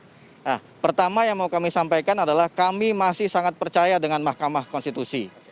nah pertama yang mau kami sampaikan adalah kami masih sangat percaya dengan mahkamah konstitusi